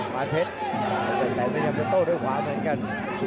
มาร์เทศมาร์เทศมันยังไปโต้ด้วยขวางเหมือนกัน